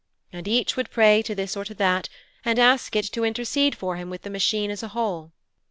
And each would pray to this or to that, and ask it to intercede for him with the Machine as a whole.